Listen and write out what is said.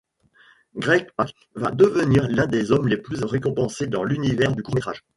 Greg Pak va devenir l’un des hommes les plus récompensés dans l’univers du court-métrage.